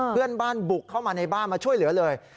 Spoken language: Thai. เพื่อนบ้านบุกเข้ามาในบ้านมาช่วยเหลือเลย